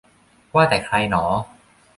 ว่าแต่ใครหนอ